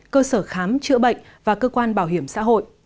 cơ sở khám chữa bệnh và cơ quan bảo hiểm xã hội